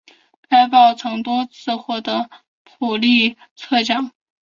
该报曾多次获得普利策奖。